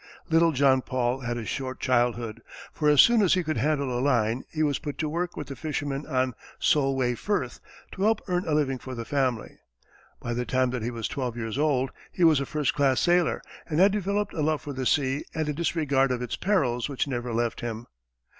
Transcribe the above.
Little John Paul had a short childhood, for as soon as he could handle a line, he was put to work with the fishermen on Solway Firth to help earn a living for the family. By the time that he was twelve years old, he was a first class sailor, and had developed a love for the sea and a disregard of its perils which never left him.